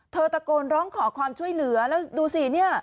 ตะโกนร้องขอความช่วยเหลือแล้วดูสิเนี่ย